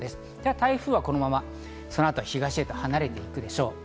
台風はこのままその後、東へ離れていくでしょう。